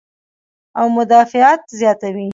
او مدافعت زياتوي -